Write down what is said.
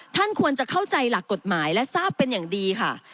ท่านควรจะเข้าใจหลักกฎหมายและทราบเป็นอย่างดีค่ะ